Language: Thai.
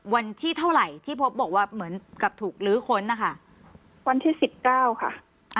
วันที่เท่าไหร่ที่พบบอกว่าเหมือนกับถูกลื้อค้นนะคะวันที่สิบเก้าค่ะ